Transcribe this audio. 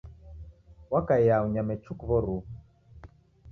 Wakaia unyame chuku w'oruwu.